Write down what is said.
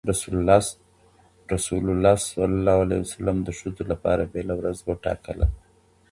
رسول الله د ښځو لپاره بيله ورځ وټاکله.